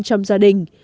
trong gia đình